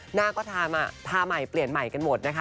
หน้าก็ทาใหม่เปลี่ยนใหม่กันหมดนะคะ